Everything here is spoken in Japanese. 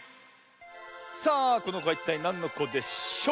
さあこのこはいったいなんのこでしょう？